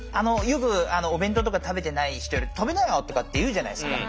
よくお弁当とか食べてない人に「食べなよ」とかって言うじゃないですか。